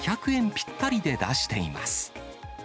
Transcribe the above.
ぴったりで出しています。